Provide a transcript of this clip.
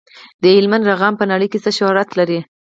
د هلمند رخام په نړۍ کې څه شهرت لري؟